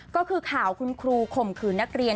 ก็คือข่าวคุณครูข่มขืนนักเรียน